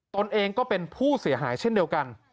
ตนเองก็เป็นผู้เสียหายเช่นเดียวกัน